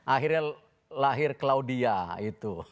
akhirnya lahir claudia itu